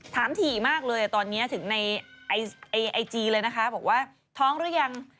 ถี่มากเลยตอนนี้ถึงในไอจีเลยนะคะบอกว่าท้องหรือยัง